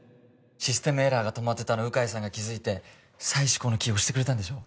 システムエラーで止まってたの鵜飼さんが気づいて再試行のキー押してくれたんでしょ？